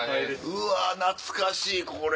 うわ懐かしいこれ。